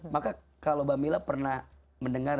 maka kalau bhamila pernah mendengar